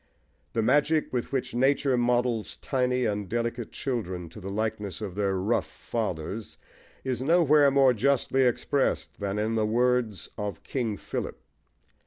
The magic with which nature models tiny and delicate children to the likeness of their rough fathers is nowhere more justly expressed than in the words of King Philip.